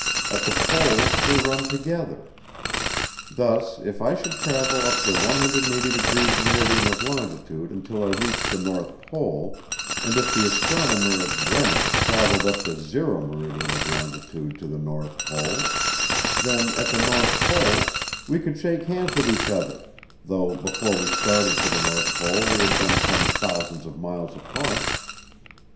At the poles they run together. Thus, if I should travel up the 180° meridian of longitude until I reached the North Pole, and if the astronomer at Greenwich travelled up the 0 meridian of longitude to the North Pole, then, at the North Pole, we could shake hands with each other, though before we started for the North Pole we had been some thousands of miles apart.